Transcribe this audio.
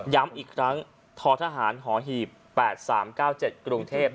ย้ำอีกครั้งททหารหอหีบ๘๓๙๗กรุงเทพ